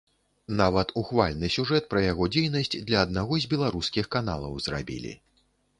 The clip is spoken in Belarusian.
Нават ухвальны сюжэт пра яго дзейнасць для аднаго з беларускіх каналаў зрабілі.